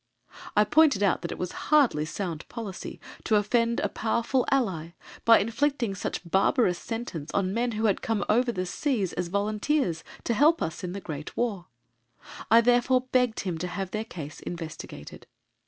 I pointed out that it was hardly sound policy to offend a powerful ally by inflicting such a barbarous sentence on men who had come over the seas as volunteers to help us in the Great War. I therefore begged him to have their case investigated.